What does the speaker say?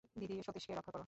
দিদি, সতীশকে রক্ষা করো।